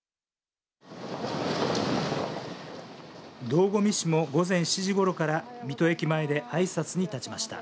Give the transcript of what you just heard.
堂込氏も午前７時ごろから水戸駅前であいさつに立ちました。